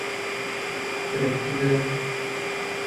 pikir etdi-de: